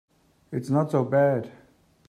It's not so bad.